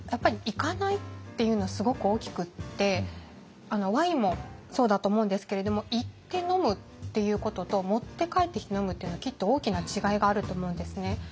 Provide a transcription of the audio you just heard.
行かないっていうのはすごく大きくてワインもそうだと思うんですけれども行って飲むっていうことと持って帰ってきて飲むっていうのはきっと大きな違いがあると思うんですね。